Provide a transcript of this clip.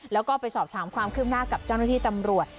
แล้วก็ไปสอบถามความคืบหน้ากับเจ้าหน้าที่ตำรวจ